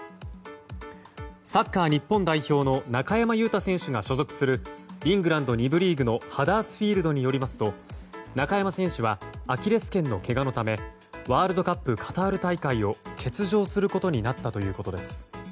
サッカー日本代表の中山雄太選手が所属するイングランド２部リーグのハダースフィールドによりますと中山選手はアキレスけんのけがのためワールドカップカタール大会を欠場することになったということです。